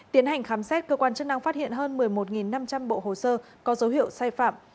tiến hành khám xét cơ quan chức năng phát hiện hơn một mươi một năm trăm linh bộ hồ sơ có dấu hiệu sai phạm